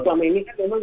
selama ini kan memang